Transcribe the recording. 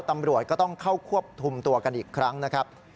ตำรวจก็ต้องเข้าควบคุมตัวกันอีกครั้งนะครับ